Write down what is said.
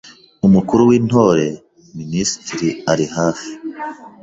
Umukuru w’Intore: Minisitiri; arihafi